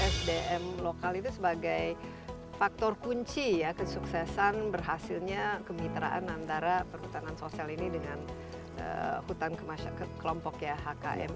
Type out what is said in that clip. sdm lokal itu sebagai faktor kunci ya kesuksesan berhasilnya kemitraan antara perhutanan sosial ini dengan hutan kelompok ya hkm